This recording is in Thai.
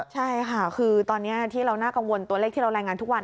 ใช่ค่ะคือตอนนี้ที่เราน่ากังวลตัวเลขที่เรารายงานทุกวัน